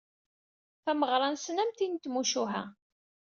Tameɣra-nsen am tin n tmucuha.